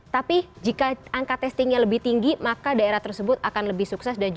tapi jika angka testingnya lebih tinggi maka daerah tersebut akan lebih sukses